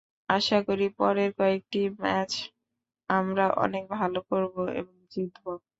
আশা করি পরের কয়েকটি ম্যাচ আমরা অনেক ভালো করব এবং জিতব।